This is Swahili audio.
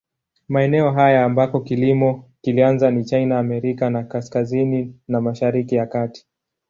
Maeneo haya ambako kilimo kilianza ni China, Amerika ya Kaskazini na Mashariki ya Kati.